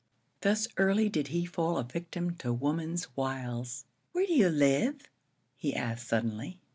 Thus early did he fall a victim to woman's wiles. "Where do you live?" he asked, suddenly.